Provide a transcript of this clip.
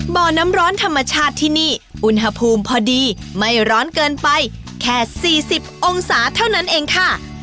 บ่อน้ำร้อนธรรมชาติที่นี่อุณหภูมิพอดีไม่ร้อนเกินไปแค่๔๐องศาเท่านั้นเองค่ะ